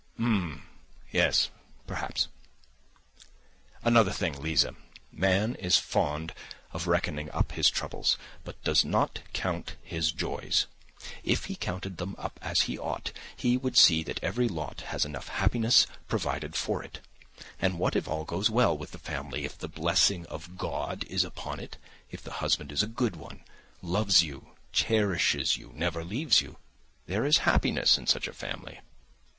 "H'm ... yes. Perhaps. Another thing, Liza, man is fond of reckoning up his troubles, but does not count his joys. If he counted them up as he ought, he would see that every lot has enough happiness provided for it. And what if all goes well with the family, if the blessing of God is upon it, if the husband is a good one, loves you, cherishes you, never leaves you! There is happiness in such a family!